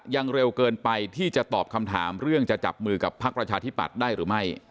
เร็วเกินไปที่จะตอบคำถามเรื่องจะจับมือกับพักประชาธิปัตย์ได้หรือไม่